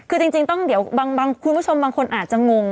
คือจริงเดี๋ยวคุณผู้ชมบางคนน่าจะงง